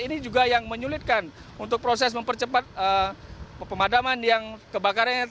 ini juga yang menyulitkan untuk proses mempercepat pemadaman yang kebakarannya